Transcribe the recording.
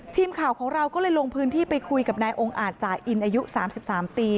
ทีมข่าวของเราก็เลยลงพื้นที่ไปคุยกับนายองค์อาจจ่าอินอายุ๓๓ปี